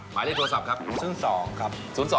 หมายได้โทรศัพท์ครับ๐๒๐๒๐๘๖๐๕๑๖